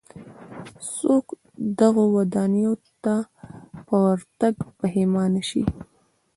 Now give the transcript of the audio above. څوک دغو ودانیو ته پر ورتګ پښېمانه شي.